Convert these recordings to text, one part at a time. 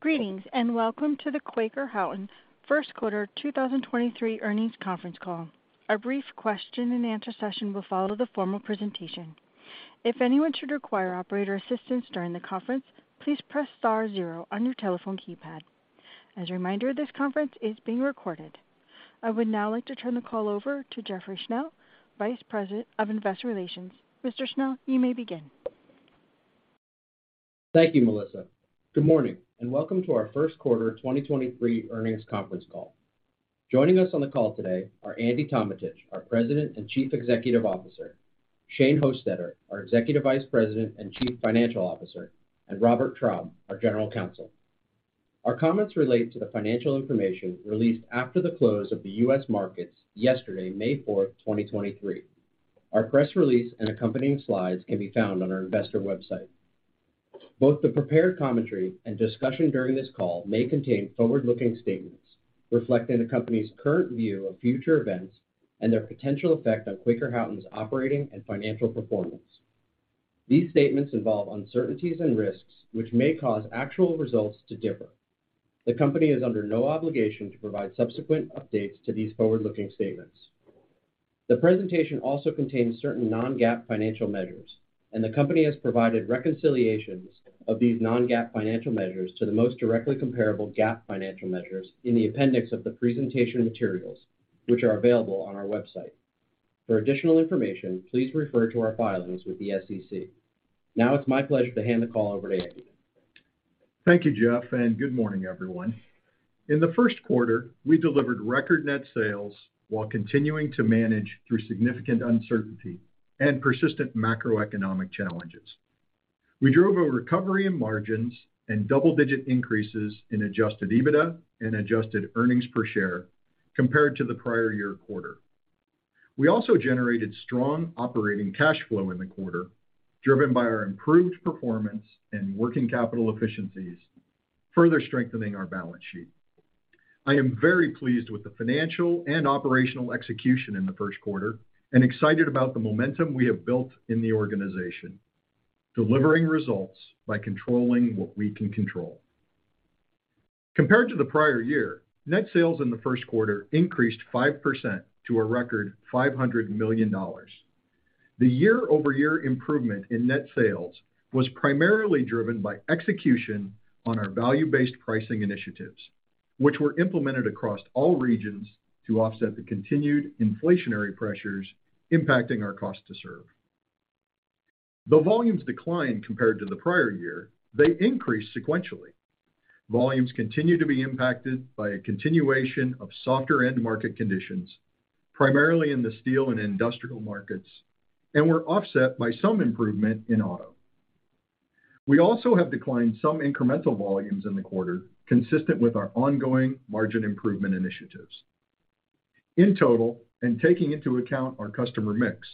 Greetings and welcome to the Quaker Houghton First Quarter 2023 Earnings Conference Call. A brief question-and-answer session will follow the formal presentation. If anyone should require operator assistance during the conference, please press star zero on your telephone keypad. As a reminder, this conference is being recorded. I would now like to turn the call over to Jeffrey Schnell, Vice President of Investor Relations. Mr. Schnell, you may begin. Thank you, Melissa. Good morning. Welcome to our first quarter 2023 earnings conference call. Joining us on the call today are Andy Tometich, our President and Chief Executive Officer, Shane Hostetter, our Executive Vice President and Chief Financial Officer, Robert Traub, our General Counsel. Our comments relate to the financial information released after the close of the U.S. markets yesterday, May 4, 2023. Our press release and accompanying slides can be found on our investor website. Both the prepared commentary and discussion during this call may contain forward-looking statements reflecting the company's current view of future events and their potential effect on Quaker Houghton's operating and financial performance. These statements involve uncertainties and risks which may cause actual results to differ. The company is under no obligation to provide subsequent updates to these forward-looking statements. The presentation also contains certain non-GAAP financial measures, and the company has provided reconciliations of these non-GAAP financial measures to the most directly comparable GAAP financial measures in the appendix of the presentation materials, which are available on our website. For additional information, please refer to our filings with the SEC. Now it's my pleasure to hand the call over to Andy. Thank you, Jeff, and good morning, everyone. In the first quarter, we delivered record net sales while continuing to manage through significant uncertainty and persistent macroeconomic challenges. We drove a recovery in margins and double-digit increases in Adjusted EBITDA and adjusted earnings per share compared to the prior year quarter. We also generated strong operating cash flow in the quarter, driven by our improved performance and working capital efficiencies, further strengthening our balance sheet. I am very pleased with the financial and operational execution in the first quarter and excited about the momentum we have built in the organization, delivering results by controlling what we can control. Compared to the prior year, net sales in the first quarter increased 5% to a record $500 million. The year-over-year improvement in net sales was primarily driven by execution on our value-based pricing initiatives, which were implemented across all regions to offset the continued inflationary pressures impacting our cost to serve. The volumes declined compared to the prior year, they increased sequentially. Volumes continue to be impacted by a continuation of softer end market conditions, primarily in the steel and industrial markets, and were offset by some improvement in auto. We also have declined some incremental volumes in the quarter, consistent with our ongoing margin improvement initiatives. In total, and taking into account our customer mix,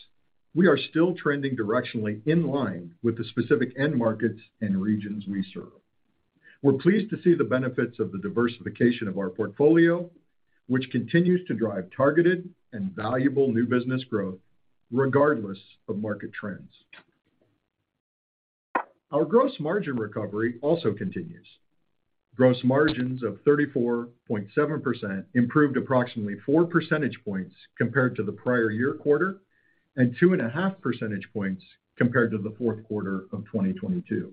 we are still trending directionally in line with the specific end markets and regions we serve. We're pleased to see the benefits of the diversification of our portfolio, which continues to drive targeted and valuable new business growth regardless of market trends. Our gross margin recovery also continues. Gross margins of 34.7% improved approximately 4 percentage points compared to the prior year quarter, and 2.5 percentage points compared to the fourth quarter of 2022.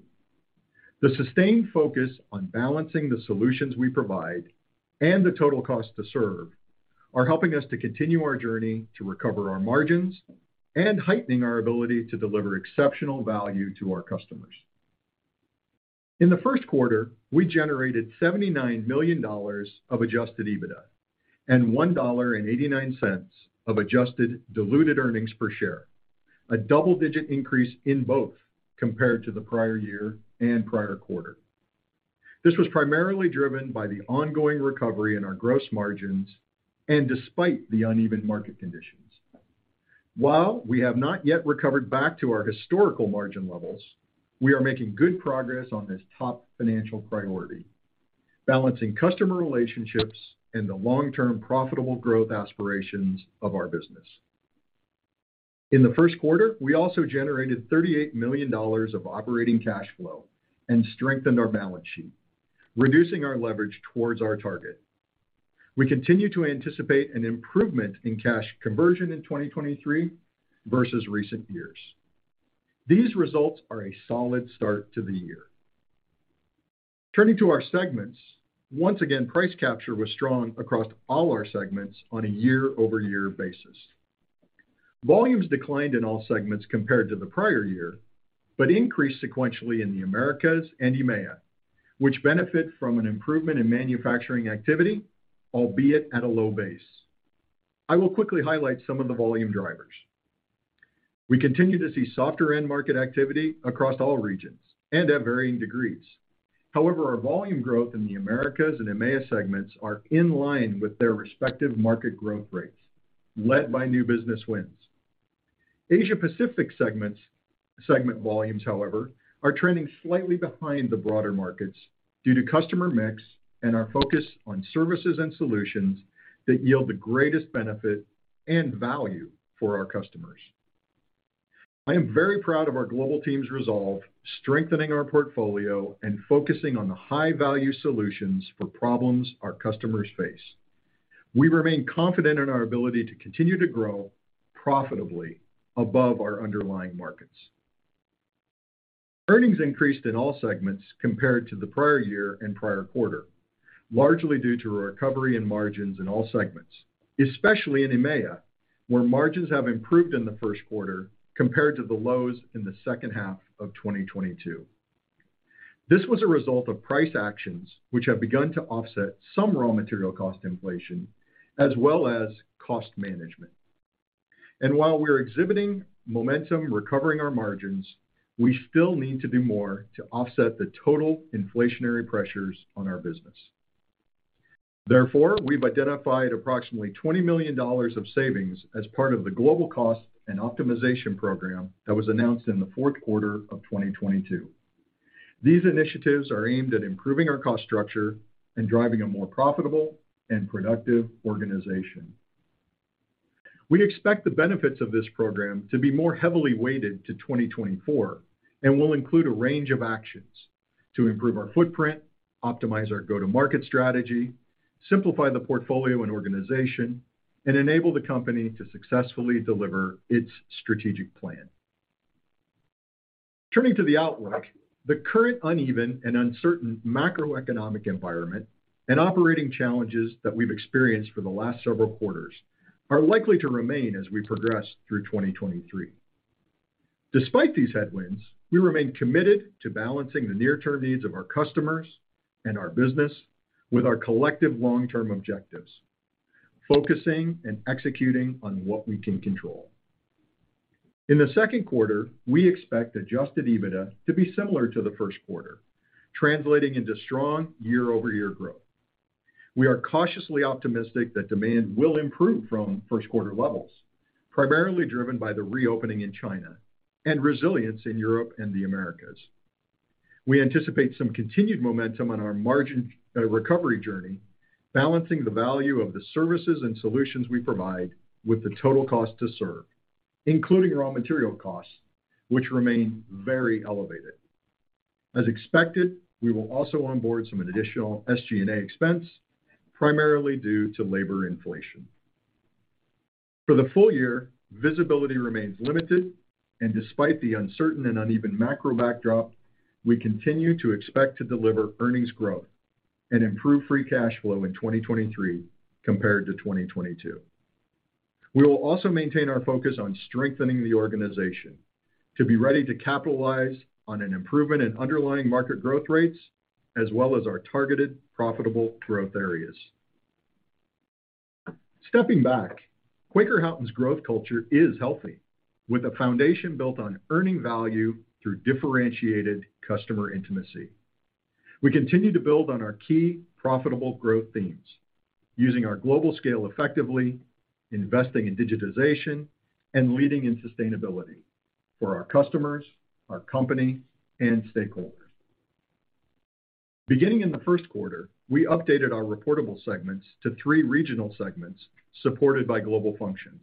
The sustained focus on balancing the solutions we provide and the total cost to serve are helping us to continue our journey to recover our margins and heightening our ability to deliver exceptional value to our customers. In the first quarter, we generated $79 million of Adjusted EBITDA and $1.89 of adjusted diluted earnings per share, a double-digit increase in both compared to the prior year and prior quarter. This was primarily driven by the ongoing recovery in our gross margins and despite the uneven market conditions. While we have not yet recovered back to our historical margin levels, we are making good progress on this top financial priority, balancing customer relationships and the long-term profitable growth aspirations of our business. In the first quarter, we also generated $38 million of operating cash flow and strengthened our balance sheet, reducing our leverage towards our target. We continue to anticipate an improvement in cash conversion in 2023 versus recent years. These results are a solid start to the year. Turning to our segments. Once again, price capture was strong across all our segments on a year-over-year basis. Volumes declined in all segments compared to the prior year, but increased sequentially in the Americas and EMEA, which benefit from an improvement in manufacturing activity, albeit at a low base. I will quickly highlight some of the volume drivers. We continue to see softer end market activity across all regions and at varying degrees. Our volume growth in the Americas and EMEA segments are in line with their respective market growth rates, led by new business wins. Asia-Pacific segment volumes, however, are trending slightly behind the broader markets due to customer mix and our focus on services and solutions that yield the greatest benefit and value for our customers. I am very proud of our global team's resolve, strengthening our portfolio and focusing on the high-value solutions for problems our customers face. We remain confident in our ability to continue to grow profitably above our underlying markets. Earnings increased in all segments compared to the prior year and prior quarter, largely due to recovery in margins in all segments, especially in EMEA, where margins have improved in the first quarter compared to the lows in the second half of 2022. This was a result of price actions which have begun to offset some raw material cost inflation, as well as cost management. While we're exhibiting momentum recovering our margins, we still need to do more to offset the total inflationary pressures on our business. Therefore, we've identified approximately $20 million of savings as part of the global cost and optimization program that was announced in the fourth quarter of 2022. These initiatives are aimed at improving our cost structure and driving a more profitable and productive organization. We expect the benefits of this program to be more heavily weighted to 2024, will include a range of actions to improve our footprint, optimize our go-to-market strategy, simplify the portfolio and organization, and enable the company to successfully deliver its strategic plan. Turning to the outlook, the current uneven and uncertain macroeconomic environment and operating challenges that we've experienced for the last several quarters are likely to remain as we progress through 2023. Despite these headwinds, we remain committed to balancing the near-term needs of our customers and our business with our collective long-term objectives, focusing and executing on what we can control. In the second quarter, we expect Adjusted EBITDA to be similar to the first quarter, translating into strong year-over-year growth. We are cautiously optimistic that demand will improve from first quarter levels, primarily driven by the reopening in China and resilience in Europe and the Americas. We anticipate some continued momentum on our margin recovery journey, balancing the value of the services and solutions we provide with the total cost to serve, including raw material costs, which remain very elevated. As expected, we will also onboard some additional SG&A expense, primarily due to labor inflation. For the full year, visibility remains limited, and despite the uncertain and uneven macro backdrop, we continue to expect to deliver earnings growth and improve free cash flow in 2023 compared to 2022. We will also maintain our focus on strengthening the organization to be ready to capitalize on an improvement in underlying market growth rates as well as our targeted profitable growth areas. Stepping back, Quaker Houghton's growth culture is healthy, with a foundation built on earning value through differentiated customer intimacy. We continue to build on our key profitable growth themes: using our global scale effectively, investing in digitization, and leading in sustainability for our customers, our company, and stakeholders. Beginning in the first quarter, we updated our reportable segments to three regional segments supported by global functions.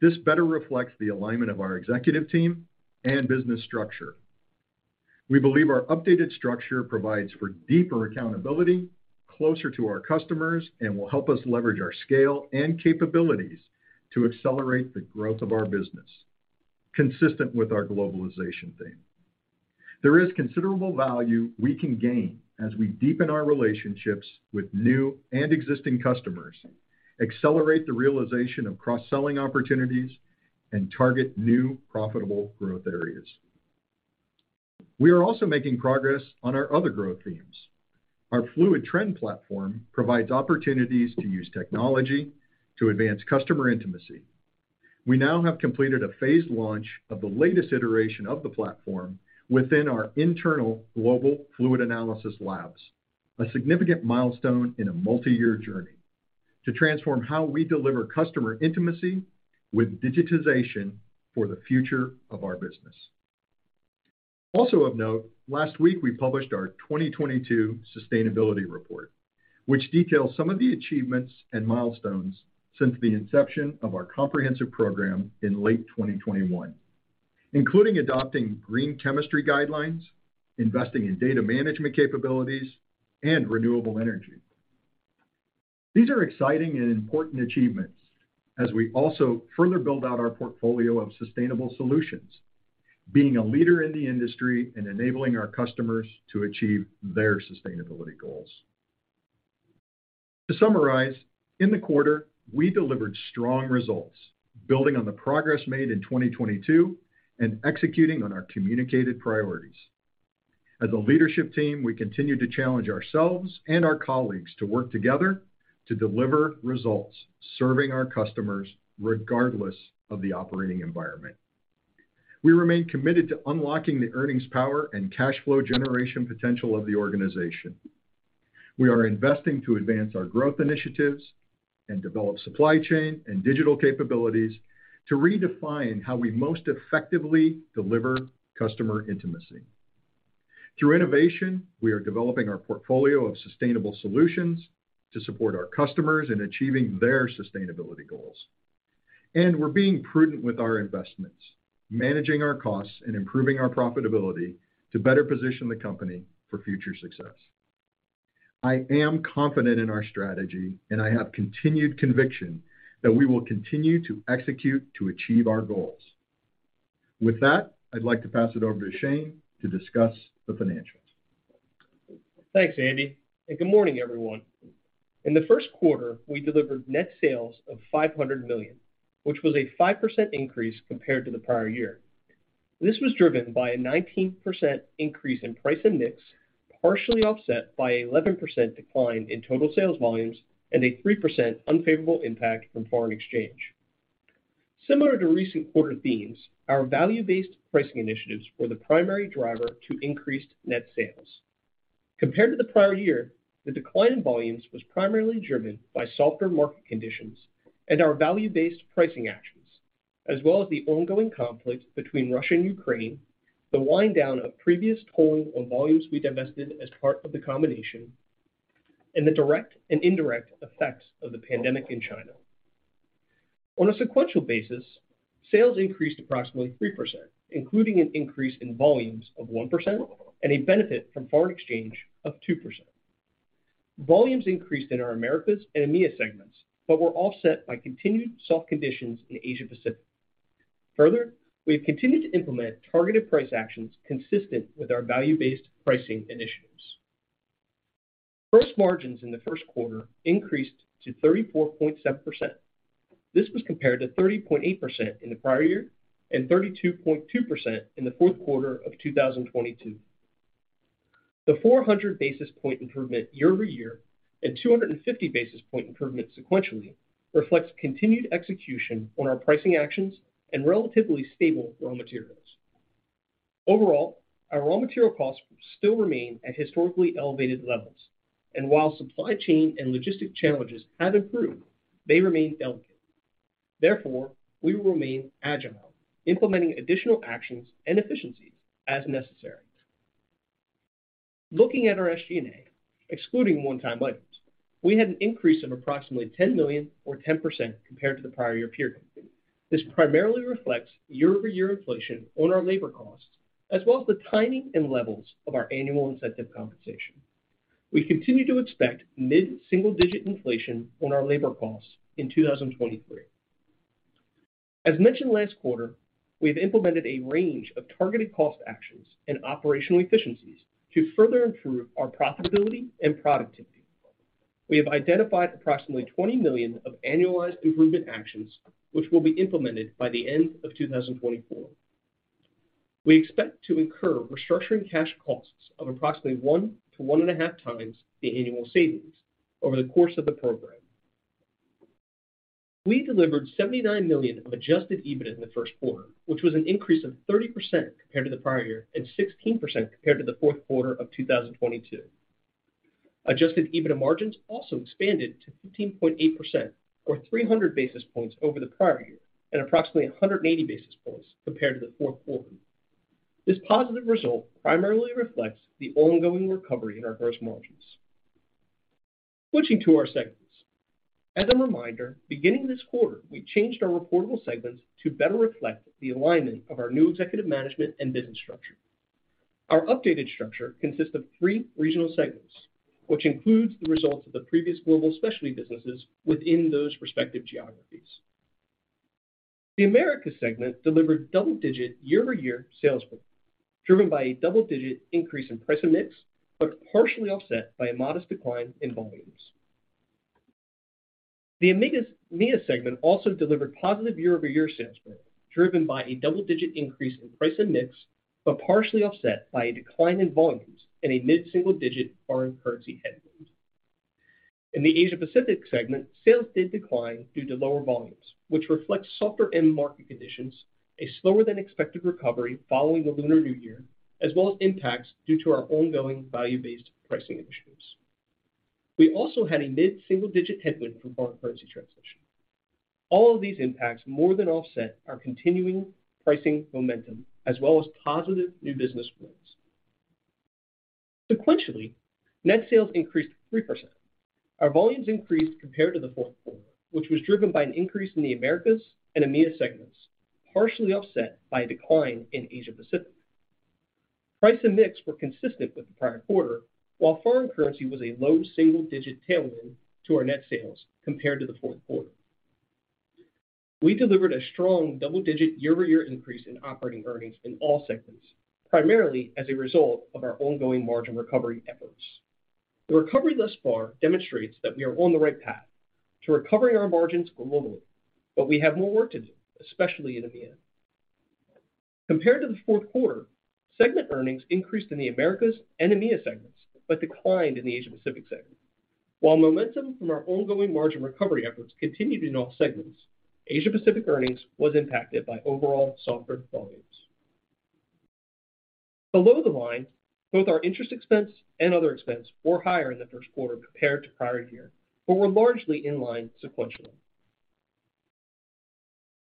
This better reflects the alignment of our executive team and business structure. We believe our updated structure provides for deeper accountability closer to our customers and will help us leverage our scale and capabilities to accelerate the growth of our business, consistent with our globalization theme. There is considerable value we can gain as we deepen our relationships with new and existing customers, accelerate the realization of cross-selling opportunities, and target new profitable growth areas. We are also making progress on our other growth themes. Our QH FLUIDTREND platform provides opportunities to use technology to advance customer intimacy. We now have completed a phased launch of the latest iteration of the platform within our internal global fluid analysis labs, a significant milestone in a multi-year journey to transform how we deliver customer intimacy with digitization for the future of our business. Of note, last week we published our 2022 sustainability report, which details some of the achievements and milestones since the inception of our comprehensive program in late 2021, including adopting green chemistry guidelines, investing in data management capabilities, and renewable energy. These are exciting and important achievements as we also further build out our portfolio of sustainable solutions, being a leader in the industry and enabling our customers to achieve their sustainability goals. To summarize, in the quarter, we delivered strong results, building on the progress made in 2022 and executing on our communicated priorities. As a leadership team, we continue to challenge ourselves and our colleagues to work together to deliver results, serving our customers regardless of the operating environment. We remain committed to unlocking the earnings power and cash flow generation potential of the organization. We are investing to advance our growth initiatives and develop supply chain and digital capabilities to redefine how we most effectively deliver customer intimacy. Through innovation, we are developing our portfolio of sustainable solutions to support our customers in achieving their sustainability goals. We're being prudent with our investments, managing our costs, and improving our profitability to better position the company for future success. I am confident in our strategy, and I have continued conviction that we will continue to execute to achieve our goals. With that, I'd like to pass it over to Shane to discuss the financials. Thanks, Andy. Good morning, everyone. In the first quarter, we delivered net sales of $500 million, which was a 5% increase compared to the prior year. This was driven by a 19% increase in price and mix, partially offset by 11% decline in total sales volumes, and a 3% unfavorable impact from foreign exchange. Similar to recent quarter themes, our value-based pricing initiatives were the primary driver to increased net sales. Compared to the prior year, the decline in volumes was primarily driven by softer market conditions and our value-based pricing actions, as well as the ongoing conflict between Russia and Ukraine, the wind down of previous tolling on volumes we divested as part of the combination, and the direct and indirect effects of the pandemic in China. On a sequential basis, sales increased approximately 3%, including an increase in volumes of 1% and a benefit from foreign exchange of 2%. Volumes increased in our Americas and EMEA segments, but were offset by continued soft conditions in Asia Pacific. Further, we have continued to implement targeted price actions consistent with our value-based pricing initiatives. Gross margins in the first quarter increased to 34.7%. This was compared to 30.8% in the prior year, and 32.2% in the fourth quarter of 2022. The 400 basis point improvement year-over-year and 250 basis point improvement sequentially reflects continued execution on our pricing actions and relatively stable raw materials. Overall, our raw material costs still remain at historically elevated levels. While supply chain and logistic challenges have improved, they remain delicate. Therefore, we will remain agile, implementing additional actions and efficiencies as necessary. Looking at our SG&A, excluding one-time items, we had an increase of approximately $10 million or 10% compared to the prior year period. This primarily reflects year-over-year inflation on our labor costs, as well as the timing and levels of our annual incentive compensation. We continue to expect mid-single digit inflation on our labor costs in 2023. As mentioned last quarter, we have implemented a range of targeted cost actions and operational efficiencies to further improve our profitability and productivity. We have identified approximately $20 million of annualized improvement actions, which will be implemented by the end of 2024. We expect to incur restructuring cash costs of approximately 1x-1.5x the annual savings over the course of the program. We delivered $79 million of Adjusted EBIT in the first quarter, which was an increase of 30% compared to the prior year and 16% compared to the fourth quarter of 2022. Adjusted EBIT margins also expanded to 15.8% or 300 basis points over the prior year and approximately 180 basis points compared to the fourth quarter. This positive result primarily reflects the ongoing recovery in our gross margins. Switching to our segments. As a reminder, beginning this quarter, we changed our reportable segments to better reflect the alignment of our new executive management and business structure. Our updated structure consists of three regional segments, which includes the results of the previous global specialty businesses within those respective geographies. The Americas segment delivered double-digit year-over-year sales growth, driven by a double-digit increase in price and mix, partially offset by a modest decline in volumes. The EMEA segment also delivered positive year-over-year sales growth, driven by a double-digit increase in price and mix, partially offset by a decline in volumes and a mid-single digit foreign currency headwind. In the Asia Pacific segment, sales did decline due to lower volumes, which reflects softer end market conditions, a slower than expected recovery following the Lunar New Year, as well as impacts due to our ongoing value-based pricing initiatives. We also had a mid-single digit headwind from foreign currency translation. All of these impacts more than offset our continuing pricing momentum, as well as positive new business wins. Sequentially, net sales increased 3%. Our volumes increased compared to the fourth quarter, which was driven by an increase in the Americas and EMEA segments, partially offset by a decline in Asia Pacific. Price and mix were consistent with the prior quarter, while foreign currency was a low single digit tailwind to our net sales compared to the fourth quarter. We delivered a strong double-digit year-over-year increase in operating earnings in all segments, primarily as a result of our ongoing margin recovery efforts. The recovery thus far demonstrates that we are on the right path to recovering our margins globally, but we have more work to do, especially in EMEA. Compared to the fourth quarter, segment earnings increased in the Americas and EMEA segments, but declined in the Asia Pacific segment. While momentum from our ongoing margin recovery efforts continued in all segments, Asia Pacific earnings was impacted by overall softer volumes. Below the line, both our interest expense and other expense were higher in the first quarter compared to prior year, but were largely in line sequentially.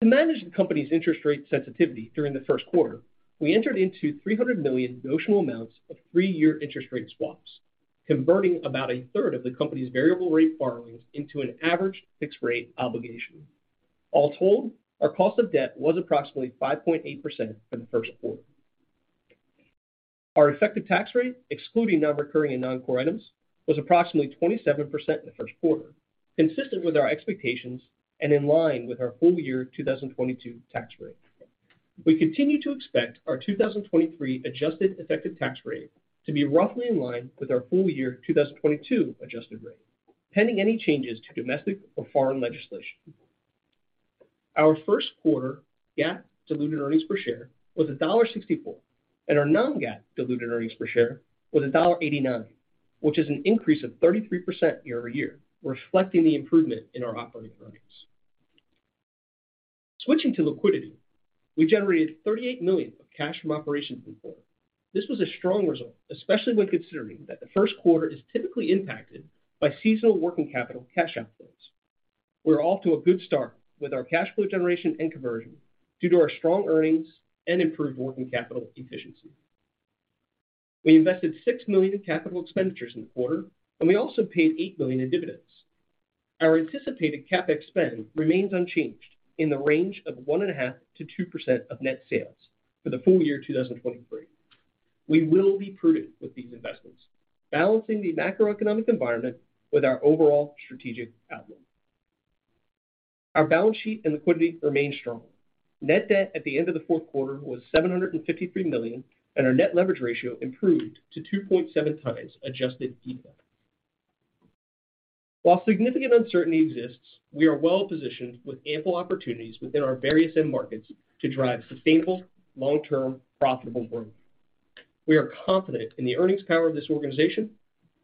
To manage the company's interest rate sensitivity during the first quarter, we entered into $300 million notional amounts of three-year interest rate swaps, converting about a third of the company's variable rate borrowings into an average fixed rate obligation. All told, our cost of debt was approximately 5.8% for the first quarter. Our effective tax rate, excluding non-recurring and non-core items, was approximately 27% in the first quarter, consistent with our expectations and in line with our full year 2022 tax rate. We continue to expect our 2023 adjusted effective tax rate to be roughly in line with our full year 2022 adjusted rate, pending any changes to domestic or foreign legislation. Our first quarter GAAP diluted earnings per share was $1.64, and our non-GAAP diluted earnings per share was $1.89, which is an increase of 33% year-over-year, reflecting the improvement in our operating earnings. Switching to liquidity, we generated $38 million of cash from operations in the quarter. This was a strong result, especially when considering that the first quarter is typically impacted by seasonal working capital cash outflows. We're off to a good start with our cash flow generation and conversion due to our strong earnings and improved working capital efficiency. We invested $6 million in capital expenditures in the quarter, and we also paid $8 million in dividends. Our anticipated CapEx spend remains unchanged in the range of 1.5%-2% of net sales for the full year 2023. We will be prudent with these investments, balancing the macroeconomic environment with our overall strategic outlook. Our balance sheet and liquidity remain strong. Net debt at the end of the fourth quarter was $753 million, and our net leverage ratio improved to 2.7x Adjusted EBIT. While significant uncertainty exists, we are well positioned with ample opportunities within our various end markets to drive sustainable, long-term, profitable growth. We are confident in the earnings power of this organization.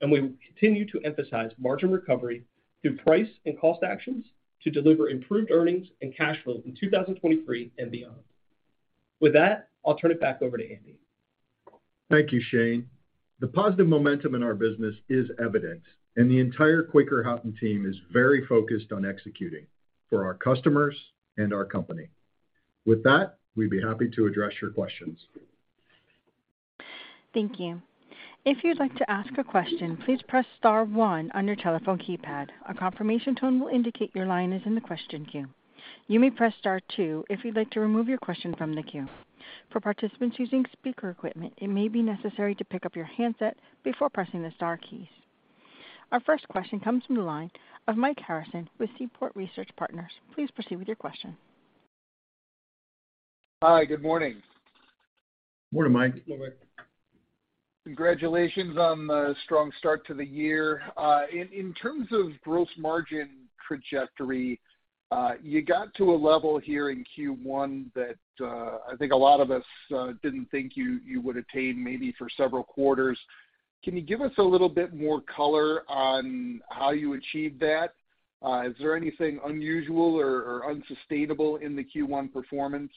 We will continue to emphasize margin recovery through price and cost actions to deliver improved earnings and cash flow in 2023 and beyond. With that, I'll turn it back over to Andy. Thank you, Shane. The positive momentum in our business is evident. The entire Quaker Houghton team is very focused on executing for our customers and our company. With that, we'd be happy to address your questions. Thank you. If you'd like to ask a question, please press star one on your telephone keypad. A confirmation tone will indicate your line is in the question queue. You may press star two if you'd like to remove your question from the queue. For participants using speaker equipment, it may be necessary to pick up your handset before pressing the star keys. Our first question comes from the line of Mike Harrison with Seaport Research Partners. Please proceed with your question. Hi. Good morning. Morning, Mike. Hello, Mike. Congratulations on the strong start to the year. In terms of gross margin trajectory, you got to a level here in Q1 that I think a lot of us didn't think you would attain maybe for several quarters. Can you give us a little bit more color on how you achieved that? Is there anything unusual or unsustainable in the Q1 performance?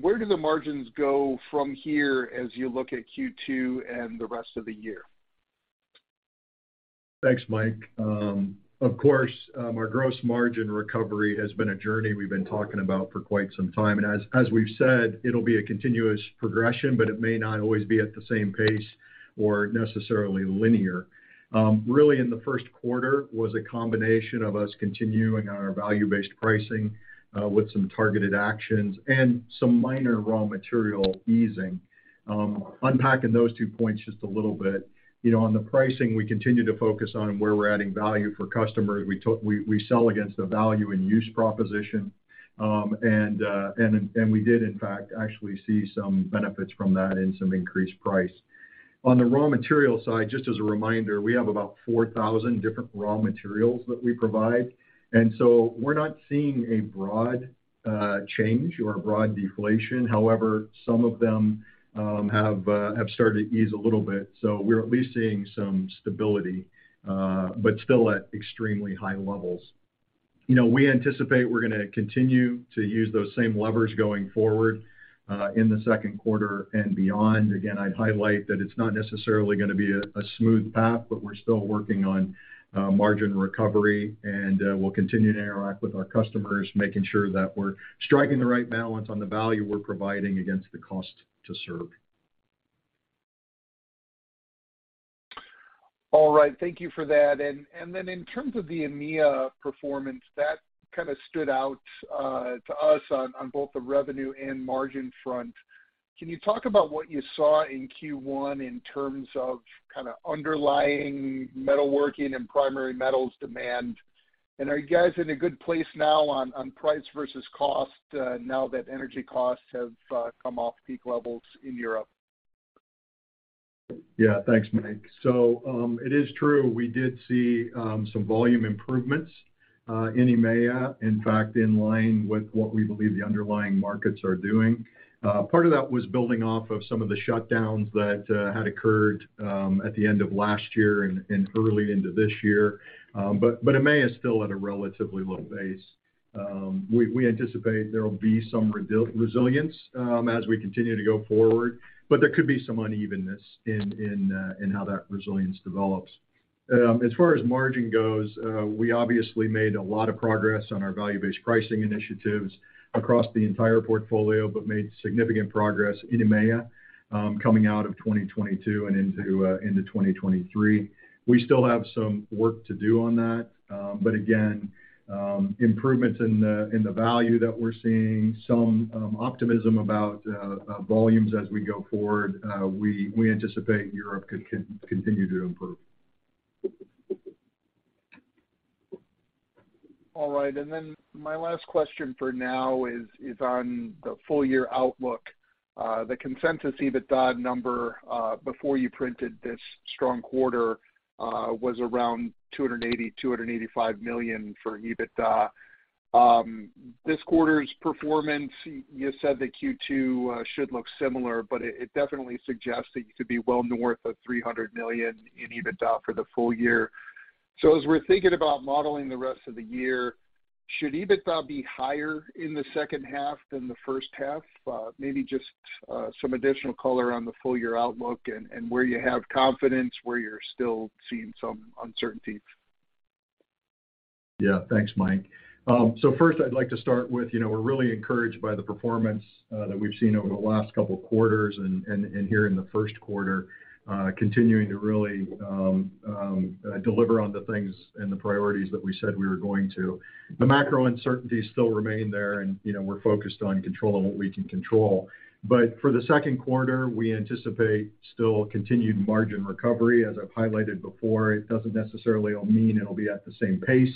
Where do the margins go from here as you look at Q2 and the rest of the year? Thanks, Mike. Of course, our gross margin recovery has been a journey we've been talking about for quite some time. As we've said, it'll be a continuous progression, but it may not always be at the same pace or necessarily linear. Really in the first quarter was a combination of us continuing our value-based pricing, with some targeted actions and some minor raw material easing. Unpacking those two points just a little bit, you know, on the pricing, we continue to focus on where we're adding value for customers. We sell against the value in use proposition. And we did in fact actually see some benefits from that in some increased price. On the raw material side, just as a reminder, we have about 4,000 different raw materials that we provide. We're not seeing a broad change or a broad deflation. However, some of them have started to ease a little bit. We're at least seeing some stability, but still at extremely high levels. You know, we anticipate we're gonna continue to use those same levers going forward, in the second quarter and beyond. Again, I'd highlight that it's not necessarily gonna be a smooth path, but we're still working on margin recovery, and we'll continue to interact with our customers, making sure that we're striking the right balance on the value we're providing against the cost to serve. All right. Thank you for that. Then in terms of the EMEA performance, that kind of stood out to us on both the revenue and margin front. Can you talk about what you saw in Q1 in terms of kind of underlying metalworking and primary metals demand? Are you guys in a good place now on price versus cost now that energy costs have come off peak levels in Europe? Thanks, Mike. It is true, we did see some volume improvements in EMEA, in fact, in line with what we believe the underlying markets are doing. Part of that was building off of some of the shutdowns that had occurred at the end of last year and early into this year. EMEA is still at a relatively low base. We anticipate there will be some resilience as we continue to go forward, but there could be some unevenness in how that resilience develops. As far as margin goes, we obviously made a lot of progress on our value-based pricing initiatives across the entire portfolio, but made significant progress in EMEA, coming out of 2022 and into 2023. We still have some work to do on that. Again, improvements in the value that we're seeing, some optimism about volumes as we go forward, we anticipate Europe could continue to improve. My last question for now is on the full year outlook. The consensus EBITDA number before you printed this strong quarter was around $280 million-$285 million for EBITDA. This quarter's performance, you said that Q2 should look similar, but it definitely suggests that you could be well north of $300 million in EBITDA for the full year. So as we're thinking about modeling the rest of the year, should EBITDA be higher in the second half than the first half? Maybe just some additional color on the full year outlook and where you have confidence, where you're still seeing some uncertainties. Yeah. Thanks, Mike. First I'd like to start with, you know, we're really encouraged by the performance that we've seen over the last couple quarters and here in the first quarter, continuing to really deliver on the things and the priorities that we said we were going to. The macro uncertainties still remain there and, you know, we're focused on controlling what we can control. For the second quarter, we anticipate still continued margin recovery. As I've highlighted before, it doesn't necessarily all mean it'll be at the same pace,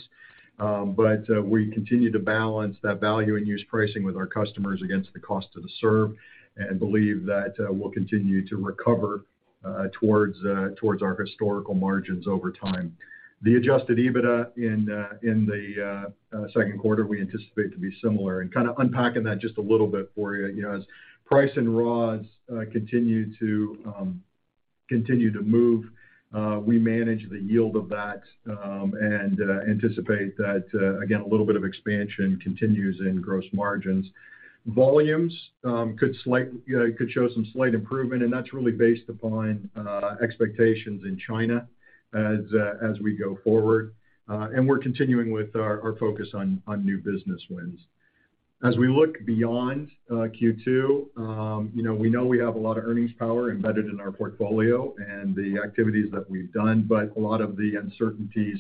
but we continue to balance that value in use pricing with our customers against the cost to serve and believe that we'll continue to recover towards our historical margins over time. The Adjusted EBITDA in the second quarter, we anticipate to be similar. Kinda unpacking that just a little bit for you know, as price and raws continue to move, we manage the yield of that, and anticipate that again, a little bit of expansion continues in gross margins. Volumes could show some slight improvement, and that's really based upon expectations in China as we go forward. We're continuing with our focus on new business wins. As we look beyond Q2, you know, we know we have a lot of earnings power embedded in our portfolio and the activities that we've done, but a lot of the uncertainties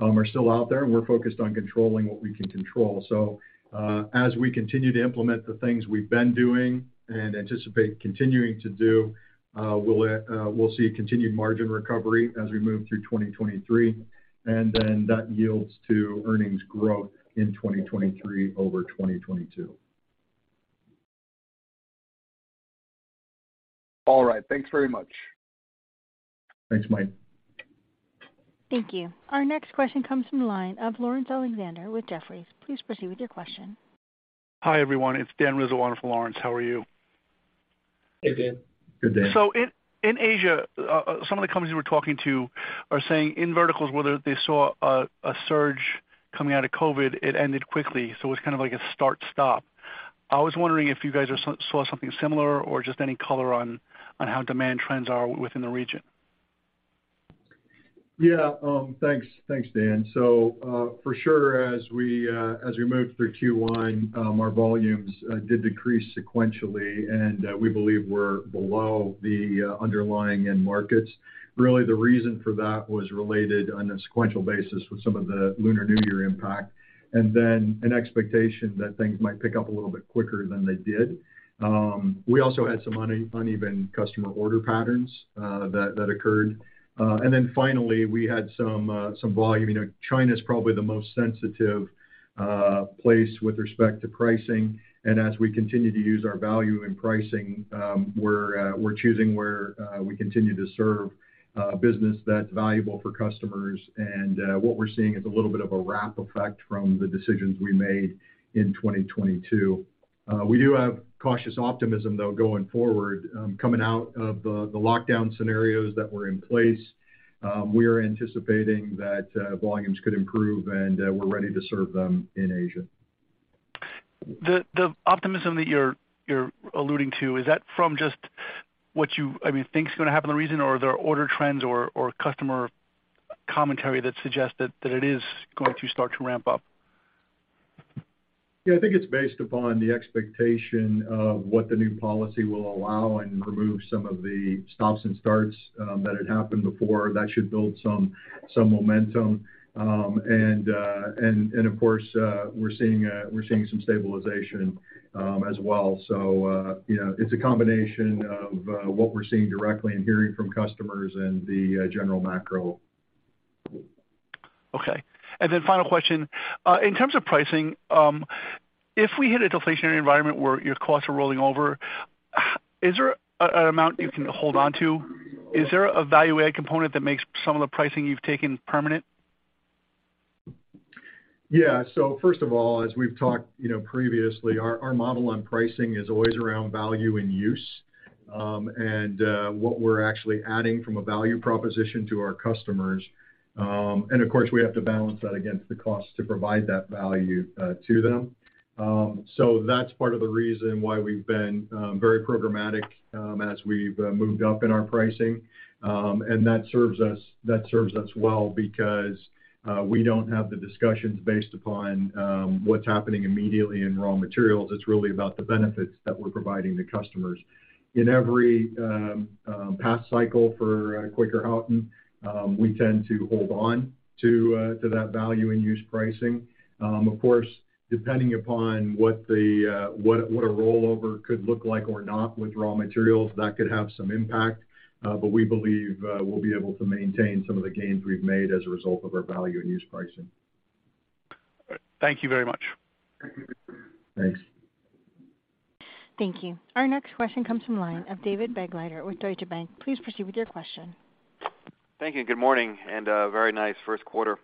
are still out there, and we're focused on controlling what we can control. As we continue to implement the things we've been doing and anticipate continuing to do, we'll see continued margin recovery as we move through 2023, and then that yields to earnings growth in 2023 over 2022. All right. Thanks very much. Thanks, Mike. Thank you. Our next question comes from the line of Laurence Alexander with Jefferies. Please proceed with your question. Hi, everyone. It's Daniel Rizzo on for Laurence. How are you? Hey, Dan. Good day. In Asia, some of the companies we're talking to are saying in verticals, whether they saw a surge coming out of COVID, it ended quickly, so it's kind of like a start/stop. I was wondering if you guys saw something similar or just any color on how demand trends are within the region. Thanks. Thanks, Dan. For sure, as we moved through Q1, our volumes did decrease sequentially, and we believe we're below the underlying end markets. Really, the reason for that was related on a sequential basis with some of the Lunar New Year impact, and then an expectation that things might pick up a little bit quicker than they did. We also had some uneven customer order patterns that occurred. Finally, we had some volume. You know, China's probably the most sensitive place with respect to pricing, and as we continue to use our value in pricing, we're choosing where we continue to serve business that's valuable for customers. What we're seeing is a little bit of a ramp effect from the decisions we made in 2022. We do have cautious optimism, though, going forward, coming out of the lockdown scenarios that were in place. We are anticipating that, volumes could improve and, we're ready to serve them in Asia. The optimism that you're alluding to, is that from just what you, I mean, think is going to happen in the region or are there order trends or customer commentary that suggests that it is going to start to ramp up? Yeah. I think it's based upon the expectation of what the new policy will allow and remove some of the stops and starts, that had happened before. That should build some momentum. Of course, we're seeing some stabilization, as well. You know, it's a combination of, what we're seeing directly and hearing from customers and the, general macro. Okay. Final question. In terms of pricing, if we hit a deflationary environment where your costs are rolling over, is there an amount you can hold onto? Is there a value add component that makes some of the pricing you've taken permanent? First of all, as we've talked, you know, previously, our model on pricing is always around value in use. What we're actually adding from a value proposition to our customers. Of course, we have to balance that against the cost to provide that value to them. That's part of the reason why we've been very programmatic as we've moved up in our pricing. That serves us well because we don't have the discussions based upon what's happening immediately in raw materials. It's really about the benefits that we're providing to customers. In every path cycle for Quaker Houghton, we tend to hold on to that value in use pricing. Of course, depending upon what the, what a rollover could look like or not with raw materials, that could have some impact. We believe, we'll be able to maintain some of the gains we've made as a result of our value in used pricing. Thank you very much. Thanks. Thank you. Our next question comes from line of David Begleiter with Deutsche Bank. Please proceed with your question. Thank you, good morning. Very nice first quarter.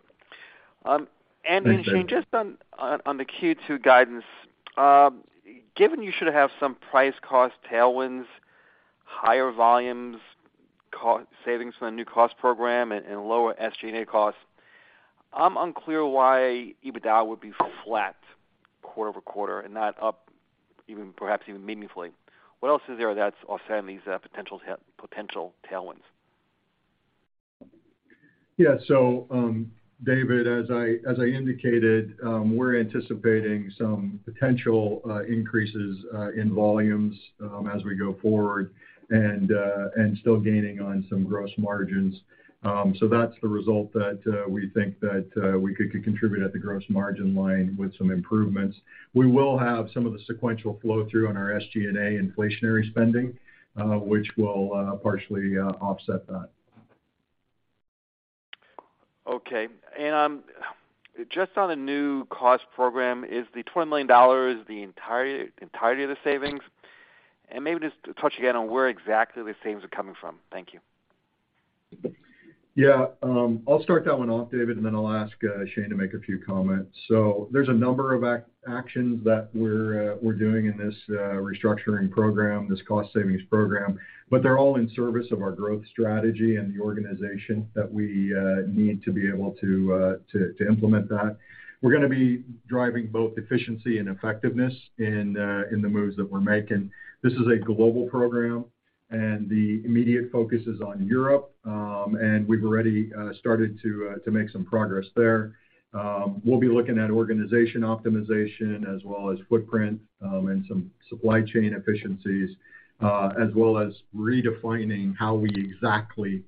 Thanks, David. Andy and Shane, just on the Q2 guidance, given you should have some price cost tailwinds, higher volumes, savings on a new cost program and lower SG&A costs, I'm unclear why EBITDA would be flat quarter-over-quarter and not up even, perhaps even meaningfully. What else is there that's offsetting these potential tailwinds? David, as I indicated, we're anticipating some potential increases in volumes as we go forward and still gaining on some gross margins. That's the result that we think that we could contribute at the gross margin line with some improvements. We will have some of the sequential flow through on our SG&A inflationary spending, which will partially offset that. Okay. Just on the new cost program, is the $20 million the entirety of the savings? Maybe just touch again on where exactly the savings are coming from. Thank you. I'll start that one off, David, and then I'll ask Shane to make a few comments. There's a number of actions that we're doing in this restructuring program, this cost savings program, but they're all in service of our growth strategy and the organization that we need to be able to implement that. We're gonna be driving both efficiency and effectiveness in the moves that we're making. This is a global program, and the immediate focus is on Europe. And we've already started to make some progress there. We'll be looking at organization optimization as well as footprint, and some supply chain efficiencies, as well as redefining how we exactly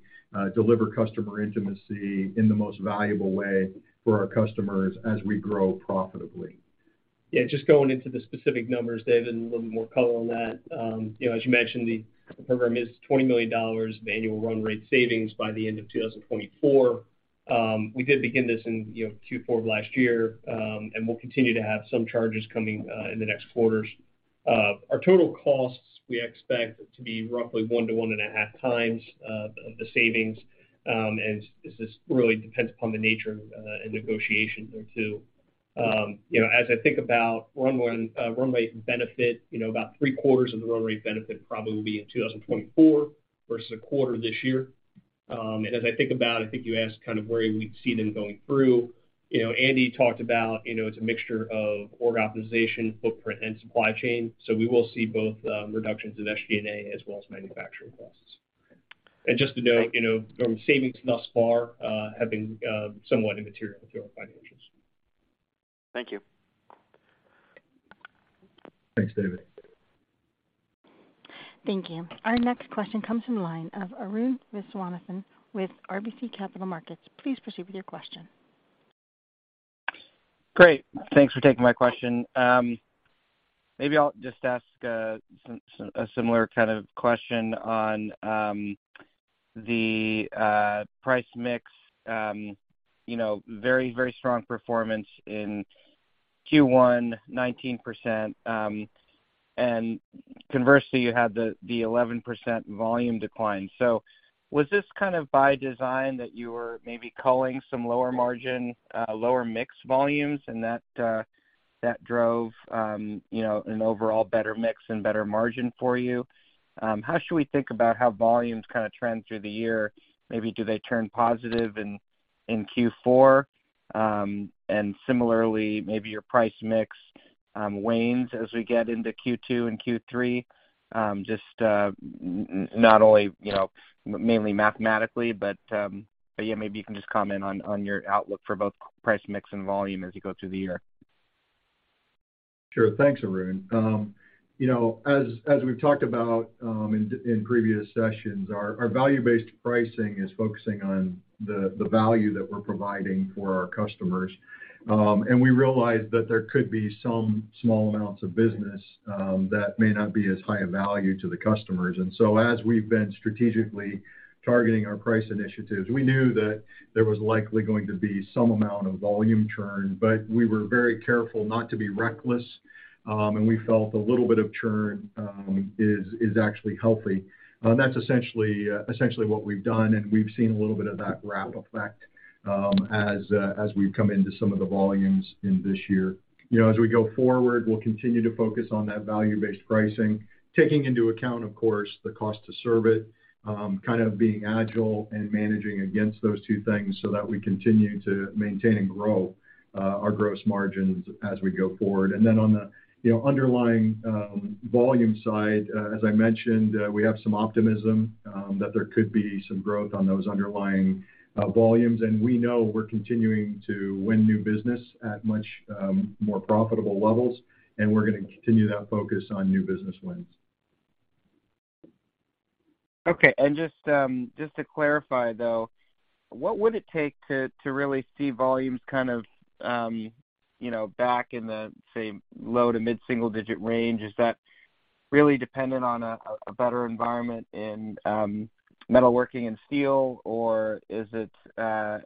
deliver customer intimacy in the most valuable way for our customers as we grow profitably. Yeah. Just going into the specific numbers, David, and a little more color on that. As you mentioned, the program is $20 million of annual run rate savings by the end of 2024. We did begin this in Q4 of last year, and we'll continue to have some charges coming in the next quarters. Our total costs, we expect to be roughly 1x-1.5x the savings. This just really depends upon the nature and negotiation there too. As I think about run rate benefit, about three-quarters of the run rate benefit probably will be in 2024 versus a quarter this year. As I think about, I think you asked kind of where we see them going through. You know, Andy talked about, you know, it's a mixture of org optimization, footprint, and supply chain. We will see both reductions in SG&A as well as manufacturing costs. Just to note, you know, from savings thus far have been somewhat immaterial to our financials. Thank you. Thanks, David. Thank you. Our next question comes from the line of Arun Viswanathan with RBC Capital Markets. Please proceed with your question. Great. Thanks for taking my question. I'll just ask a similar kind of question on the price mix, you know, very, very strong performance in Q1, 19%, and conversely, you had the 11% volume decline. Was this kind of by design that you were maybe culling some lower margin, lower mix volumes and that drove, you know, an overall better mix and better margin for you? How should we think about how volumes kinda trend through the year? Maybe do they turn positive in Q4? Similarly, maybe your price mix wanes as we get into Q2 and Q3. Just not only, you know, mainly mathematically, but yeah, maybe you can just comment on your outlook for both price mix and volume as you go through the year? Sure. Thanks, Arun. You know, as we've talked about, in previous sessions, our value-based pricing is focusing on the value that we're providing for our customers. We realize that there could be some small amounts of business that may not be as high a value to the customers. As we've been strategically targeting our price initiatives, we knew that there was likely going to be some amount of volume churn, but we were very careful not to be reckless, and we felt a little bit of churn is actually healthy. That's essentially what we've done, and we've seen a little bit of that route effect. As we've come into some of the volumes in this year. You know, as we go forward, we'll continue to focus on that value-based pricing, taking into account, of course, the cost to serve it, kind of being agile and managing against those two things so that we continue to maintain and grow our gross margins as we go forward. On the, you know, underlying volume side, as I mentioned, we have some optimism that there could be some growth on those underlying volumes. We know we're continuing to win new business at much more profitable levels, and we're gonna continue that focus on new business wins. Okay. Just, just to clarify though, what would it take to really see volumes kind of, you know, back in the, say, low to mid-single digit range? Is that really dependent on a better environment in, metalworking and steel, or is it,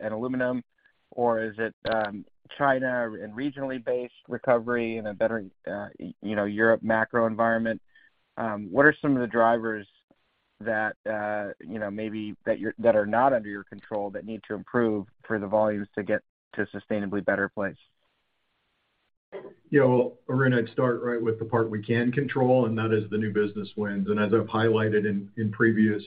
in aluminum, or is it, China and regionally based recovery and a better, you know, Europe macro environment? What are some of the drivers that, you know, maybe that are not under your control that need to improve for the volumes to get to a sustainably better place? Yeah. Well, Arun, I'd start right with the part we can control, and that is the new business wins. As I've highlighted in previous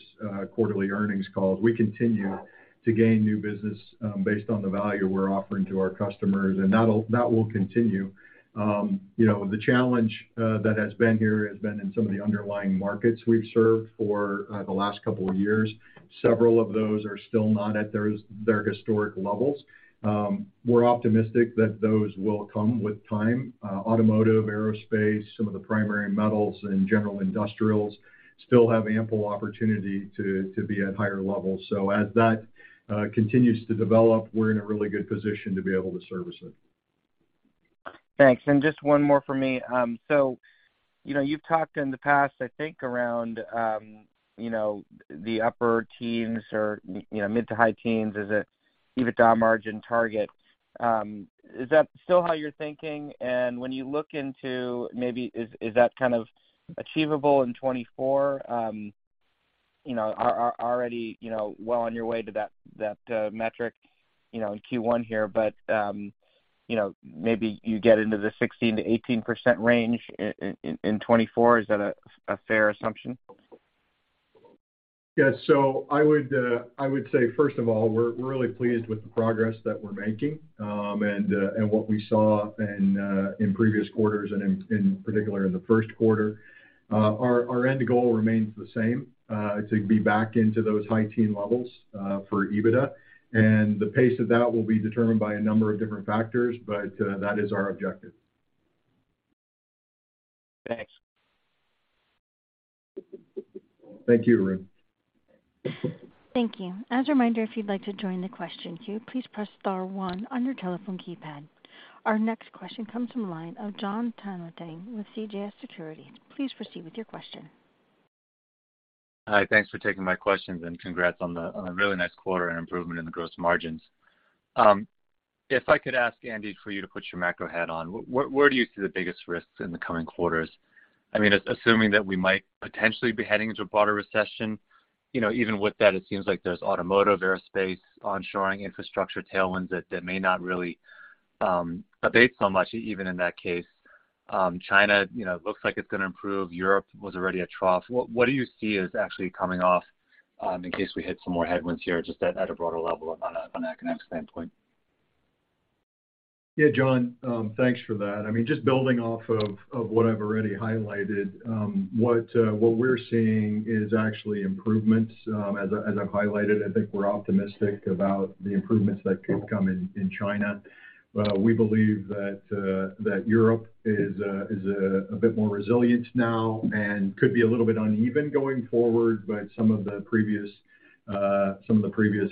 quarterly earnings calls, we continue to gain new business based on the value we're offering to our customers, and that will continue. You know, the challenge that has been here has been in some of the underlying markets we've served for the last couple of years. Several of those are still not at their historic levels. We're optimistic that those will come with time. Automotive, aerospace, some of the primary metals and general industrials still have ample opportunity to be at higher levels. As that continues to develop, we're in a really good position to be able to service it. Thanks. Just one more for me. You know, you've talked in the past, I think, around, you know, the upper teens or, you know, mid to high teens as a EBITDA margin target. Is that still how you're thinking? When you look into maybe is that kind of achievable in 2024? You know, already, you know, well on your way to that metric, you know, in Q1 here, but, you know, maybe you get into the 16%-18% range in 2024. Is that a fair assumption? I would say, first of all, we're really pleased with the progress that we're making, and what we saw in previous quarters and in particular in the first quarter. Our end goal remains the same, to be back into those high teen levels for EBITDA. The pace of that will be determined by a number of different factors, but that is our objective. Thanks. Thank you, Arun. Thank you. As a reminder, if you'd like to join the question queue, please press star one on your telephone keypad. Our next question comes from line of Jon Tanwanteng with CJS Securities. Please proceed with your question. Hi. Thanks for taking my questions. Congrats on a really nice quarter and improvement in the gross margins. If I could ask Andy for you to put your macro hat on, where do you see the biggest risks in the coming quarters? Assuming that we might potentially be heading into a broader recession, you know, even with that, it seems like there's automotive, aerospace, onshoring infrastructure tailwinds that may not really abate so much even in that case. China, you know, looks like it's gonna improve. Europe was already at trough. What do you see is actually coming off in case we hit some more headwinds here, just at a broader level on a economic standpoint? Yeah. Jon, thanks for that. I mean, just building off of what I've already highlighted, what we're seeing is actually improvements. As I've highlighted, I think we're optimistic about the improvements that could come in China. We believe that Europe is a bit more resilient now and could be a little bit uneven going forward, but some of the previous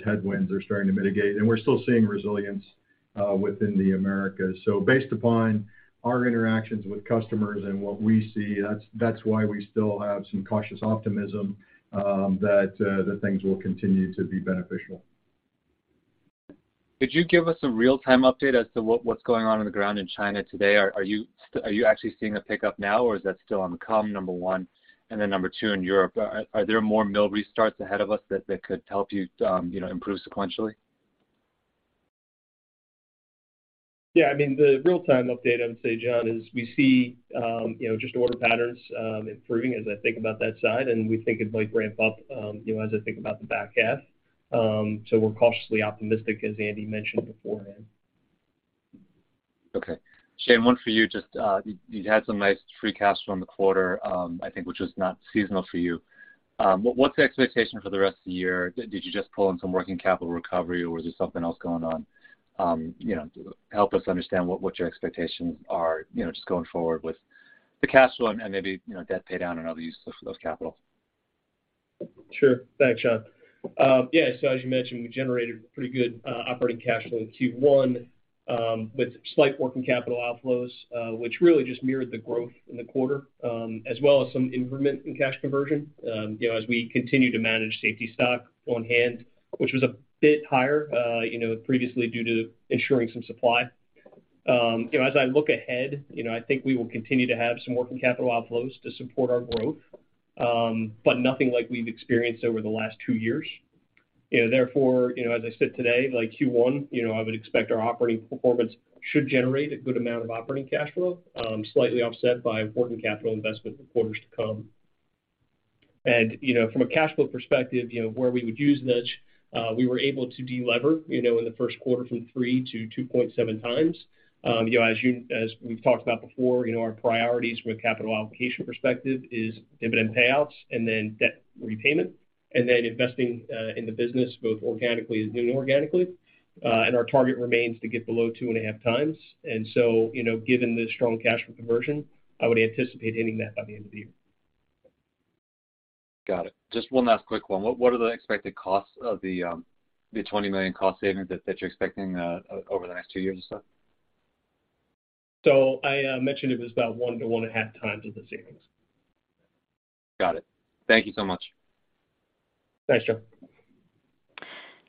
headwinds are starting to mitigate. We're still seeing resilience within the Americas. Based upon our interactions with customers and what we see, that's why we still have some cautious optimism that things will continue to be beneficial. Could you give us a real-time update as to what's going on on the ground in China today? Are you actually seeing a pickup now, or is that still on the come, number one? Number two, in Europe, are there more mill restarts ahead of us that could help you know, improve sequentially? Yeah. I mean, the real-time update I would say, Jon, is we see, you know, just order patterns, improving as I think about that side, and we think it might ramp up, you know, as I think about the back half. We're cautiously optimistic, as Andy mentioned beforehand. Shane, one for you. Just, you had some nice free cash flow in the quarter, I think, which was not seasonal for you. What's the expectation for the rest of the year? Did you just pull in some working capital recovery, or was there something else going on? You know, help us understand what your expectations are, you know, just going forward with the cash flow and maybe, you know, debt pay down and other uses for those capital. Sure. Thanks, Jon. Yeah. As you mentioned, we generated pretty good operating cash flow in Q1, with slight working capital outflows, which really just mirrored the growth in the quarter, as well as some improvement in cash conversion, you know, as we continue to manage safety stock on hand, which was a bit higher, you know, previously due to ensuring some supply. You know, as I look ahead, you know, I think we will continue to have some working capital outflows to support our growth, but nothing like we've experienced over the last two years. You know, therefore, you know, as I sit today, like Q1, you know, I would expect our operating performance should generate a good amount of operating cash flow, slightly offset by working capital investment for quarters to come. You know, from a cash flow perspective, you know, where we would use niche, we were able to de-lever, you know, in the first quarter from 3x-2.7x. You know, as we've talked about before, you know, our priorities from a capital allocation perspective is dividend payouts and then debt repayment and then investing in the business both organically and inorganically. And our target remains to get below 2.5x. You know, given the strong cash flow conversion, I would anticipate hitting that by the end of the year. Got it. Just one last quick one. What are the expected costs of the $20 million cost savings that you're expecting, over the next two years or so? I mentioned it was about 1x-1.5x of the savings. Got it. Thank you so much. Thanks, John.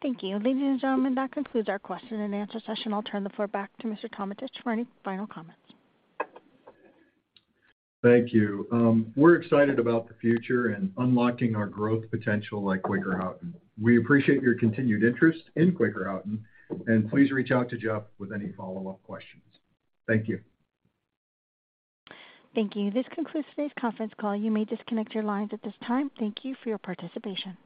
Thank you. Ladies and gentlemen, that concludes our question and answer session. I'll turn the floor back to Mr. Tometich for any final comments. Thank you. We're excited about the future and unlocking our growth potential at Quaker Houghton. We appreciate your continued interest in Quaker Houghton. Please reach out to Jeff with any follow-up questions. Thank you. Thank you. This concludes today's conference call. You may disconnect your lines at this time. Thank you for your participation.